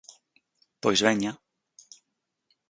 Pois veña.